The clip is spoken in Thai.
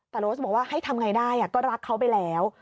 แต่โรสบอกว่าให้ทำไงได้ก็รักเขาไปแล้ว